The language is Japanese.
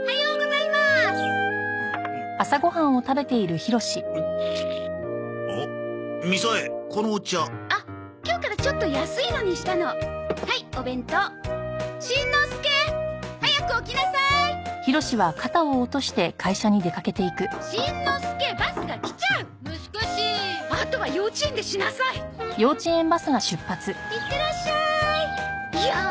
いってらっしゃーい！